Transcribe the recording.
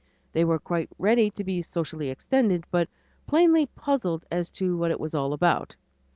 They were quite ready to be "socially extended," but plainly puzzled as to what it was all about.